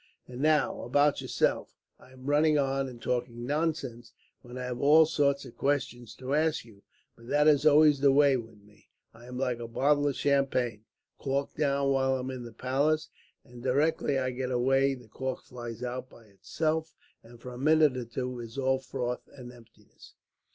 "And now, about yourself. I am running on and talking nonsense, when I have all sorts of questions to ask you. But that is always the way with me. I am like a bottle of champagne, corked down while I am in the palace, and directly I get away the cork flies out by itself, and for a minute or two it is all froth and emptiness.